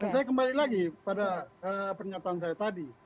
saya kembali lagi pada pernyataan saya tadi